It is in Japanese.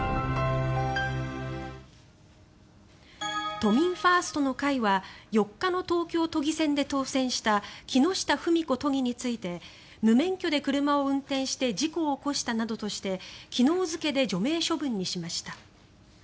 都民ファーストの会は４日の東京都議選で当選した木下ふみこ都議について無免許で車を運転して事故を起こしたなどとして昨日付で除名処分にしました。